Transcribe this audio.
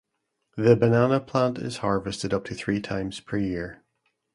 The banana plant is harvested up to three times per year.